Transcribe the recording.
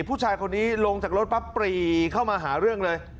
ผู้ชายคนนี้ลงจากรถปั๊บปรีเข้ามาหาเรื่องเลย